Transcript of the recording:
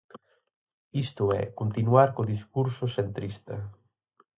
Isto é, continuar co discurso centrista.